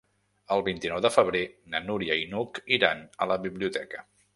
El vint-i-nou de febrer na Núria i n'Hug iran a la biblioteca.